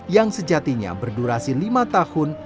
yang sejatinya berdurasi lima tahun